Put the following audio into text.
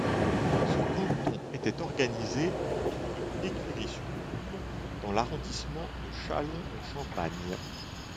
Ce canton était organisé autour de Écury-sur-Coole dans l'arrondissement de Châlons-en-Champagne.